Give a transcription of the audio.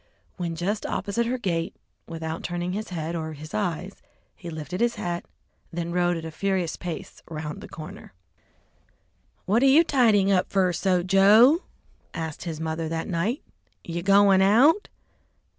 When just opposite her gate, without turning his head or his eyes, he lifted his hat, then rode at a furious pace around the corner. "What you tidying up so fer, Joe?" asked his mother that night; "you goin' out?"